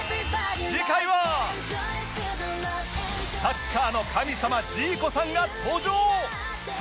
サッカーの神様ジーコさんが登場